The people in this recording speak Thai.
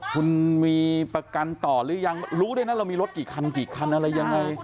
คุณมีประกันต่อหรือยังรู้ได้นะเรามีรถกี่คันกี่คันอะไรยังไง